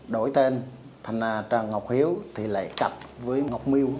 đổi tên thành là trần ngọc hiếu thì lại cặp với ngọc miu